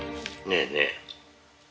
ねえねえ。